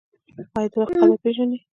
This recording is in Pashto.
ایا د وخت قدر پیژنئ؟